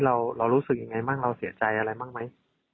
เรารู้สึกยังไงบ้างเราเสียใจอะไรบ้างไหม